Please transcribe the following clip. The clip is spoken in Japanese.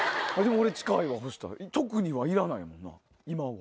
俺近いわ特にはいらないもんな今は。